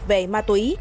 về ma túy